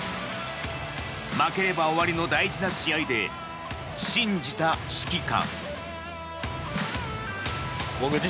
負ければ終わりの大事な試合で信じた指揮官。